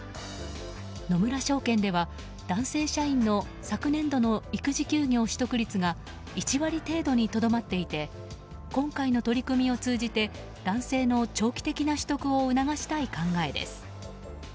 野村証券では、男性社員の昨年度の育児休業取得率が１割程度にとどまっていて今回の取り組みを通じて男性の長期的な取得を促したい考えです。